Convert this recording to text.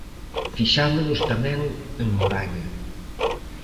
Fixámonos tamén en Moraña.